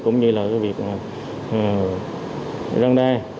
cũng như là cái việc răn đe